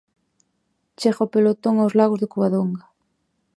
Chega o pelotón aos lagos de Covadonga.